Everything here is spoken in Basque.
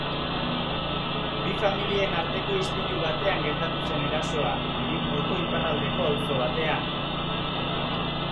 Bi familien arteko istilu batean gertatu zen erasoa, hiriburuko iparraldeko auzo batean.